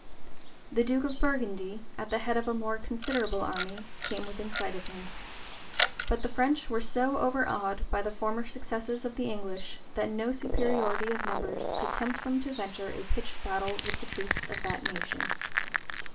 [] The duke of Burgundy, at the head of a more considerable army, came within sight of him; but the French were so overawed by the former successes of the English, that no superiority of numbers could tempt them to venture a pitched battle with the troops of that nation.